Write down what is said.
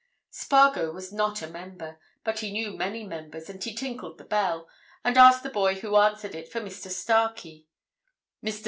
Spargo was not a member, but he knew many members, and he tinkled the bell, and asked the boy who answered it for Mr. Starkey.